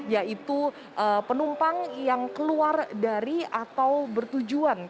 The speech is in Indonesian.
yaitu penumpang yang keluar dari atau bertujuan